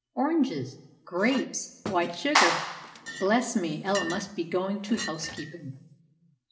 oranges! grapes! white sugar! Bless me, Ella must be going to housekeeping!"